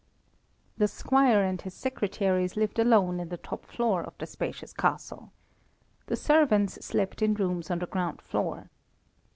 The squire and his secretaries lived alone in the top floor of the spacious castle. The servants slept in rooms on the ground floor.